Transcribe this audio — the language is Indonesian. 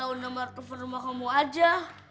beritahu nama roket rumah kamu aja